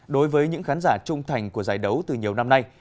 đối với những khán giả trung thành của giải đấu từ nhiều năm nay